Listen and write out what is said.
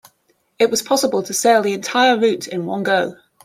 It was possible to sail the entire route in one go.